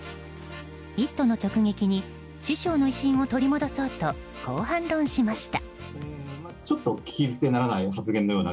「イット！」の直撃に師匠の維新を取り戻そうとこう反論しました。